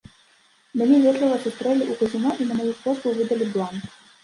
Мяне ветліва сустрэлі ў казіно і на маю просьбу выдалі бланк.